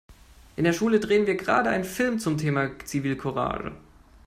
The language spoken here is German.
In der Schule drehen wir gerade einen Film zum Thema Zivilcourage.